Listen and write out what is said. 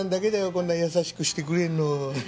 こんな優しくしてくれるの。